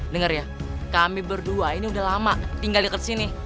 dengar ya kami berdua ini udah lama tinggal dekat sini